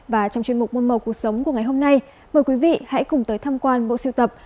và trong chuyên mục môn màu cuộc sống của ngày hôm nay mời quý vị hãy cùng tới tham quan bộ siêu tập